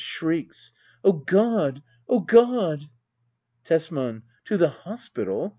[Shrieks.] Oh God ! oh God ! Tesman. To the hospital